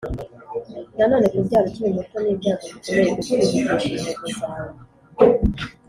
Na none kubyara ukiri muto ni ibyago bikomeye kuko bigutesha intego zawe